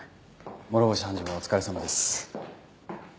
諸星判事もお疲れさまです。